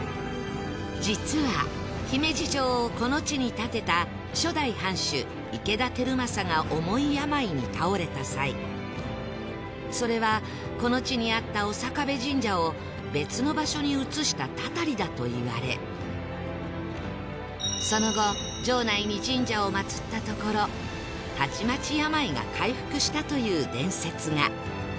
実は姫路城をこの地に建てた初代藩主池田輝政が重い病に倒れた際それはこの地にあった長壁神社を別の場所に移した祟りだといわれその後城内に神社を祀ったところたちまち病が回復したという伝説が